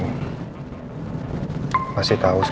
mungkin lebih baik aku telepon langsung